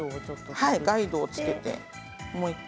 ガイドをつけて。